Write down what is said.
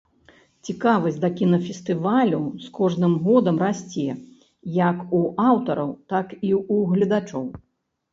Цікавасць да кінафестывалю з кожным годам расце як у аўтараў, так і ў гледачоў.